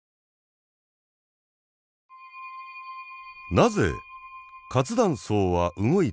なぜ活断層は動いたのか。